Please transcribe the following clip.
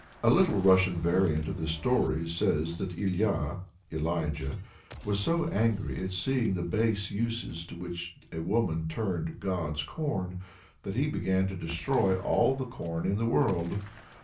A Little Russian variant of this story says that Ilya (Elijah), was so angry at seeing the base uses to which a woman turned "God's corn," that he began to destroy all the corn in the world.